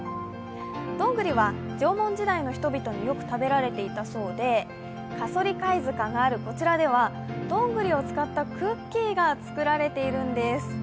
どんぐりは縄文時代の人々によく食べられていたそうで加曽利貝塚があるこちらでは、どんぐりを使ったクッキーが作られているんです。